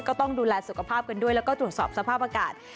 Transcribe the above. ก็ต้องดูแลสุขภาพกันด้วยแล้วก็ตรวจสอบสภาพอากาศ